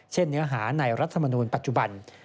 เนื้อหาในรัฐมนูลปัจจุบัน